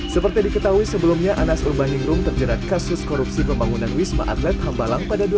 seperti diketahui sebelumnya anas urbaningrum terjerat kasus korupsi pembangunan wisma atlet hambalang pada dua ribu delapan belas